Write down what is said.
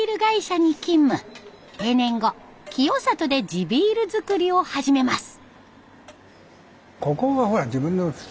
定年後清里で地ビール作りを始めます。